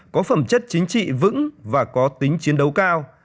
có phẩm chất chính trị vững và có tính chiến đấu cao